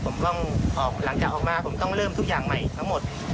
คุณคงต้องไม่รอผมแล้วผมต้องเริ่มอีกกูฯทุกอย่างใหม่ทั้งหมด